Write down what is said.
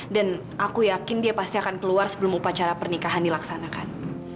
dan aku yakin dia pasti akan keluar sebelum upacara pernikahan dilaksanakan